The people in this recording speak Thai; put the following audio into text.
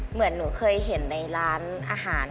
เหมือนหนูเคยเห็นในร้านอาหาร